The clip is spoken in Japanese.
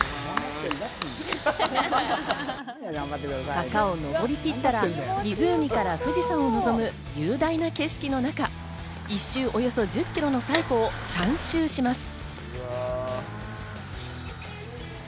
坂を上り切ったら、湖から富士山を望む雄大な景色の中、一周およそ１０キロの西湖を３周します。